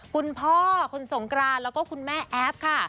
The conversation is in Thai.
คุณพ่อคุณสงกรานแล้วก็คุณแม่แอฟค่ะ